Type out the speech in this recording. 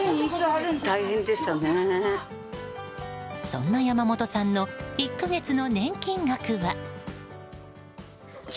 そんな山本さんの１か月の年金額は。